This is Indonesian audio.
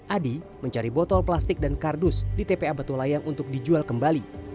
adi mencari botol plastik dan kardus di tpa batu layang untuk dijual kembali